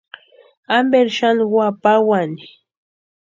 Amperi xani úa pawani.